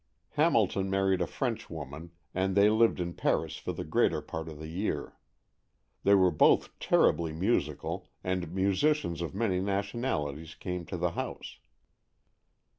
Hamilton married a Frenchwoman, and they lived in Paris for the greater part of the year. They were both terribly musical, and musicians of many nationalities came to the house.